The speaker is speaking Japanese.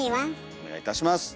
お願いいたします。